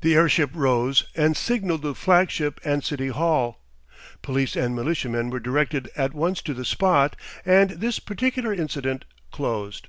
The airship rose and signalled the flagship and City Hall, police and militiamen were directed at once to the spot, and this particular incident closed.